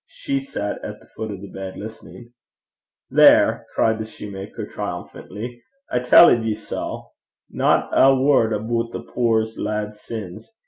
She sat at the foot of the bed listening. 'There!' cried the soutar, triumphantly, 'I telled ye sae! Not ae word aboot the puir lad's sins!